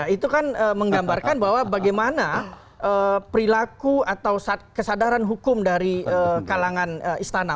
itu kan menggambarkan bahwa bagaimana perilaku atau kesadaran hukum dari kalangan istana